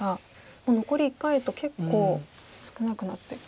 もう残り１回と結構少なくなって。